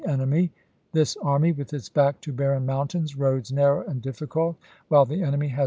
enemy. This army, with its back to barren moun tains, roads narrow and difficult, while the enemy has Report, •